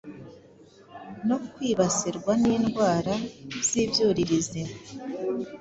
no kwibasirwa n’indwara z’ibyuririzi.